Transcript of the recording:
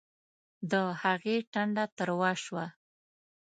د هغې ټنډه تروه شوه